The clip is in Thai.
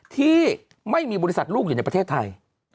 ที่ไม่มีบริษัทลูกอยู่ในประเทศไทย